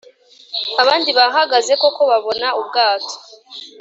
abandi bahageze koko babona ubwato